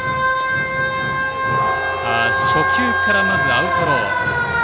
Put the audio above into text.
初球からまずアウトロー。